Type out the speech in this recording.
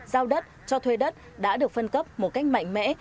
giao đất cho thuê đất đã được phân cấp một cách mạnh mẽ